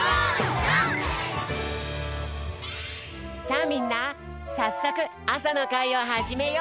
さあみんなさっそくあさのかいをはじめよう！